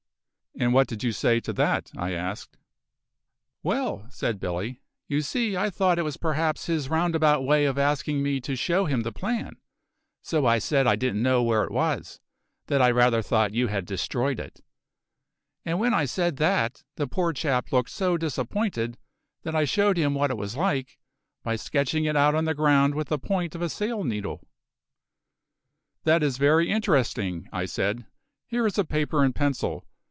"And what did you say to that?" I asked. "Well," said Billy, "you see, I thought it was perhaps his roundabout way of asking me to show him the plan, so I said I didn't know where it was; that I rather thought you had destroyed it; and when I said that, the poor chap looked so disappointed that I showed him what it was like, by sketching it out on the ground with the point of a sail needle." "That is very interesting," I said. "Here is paper and a pencil.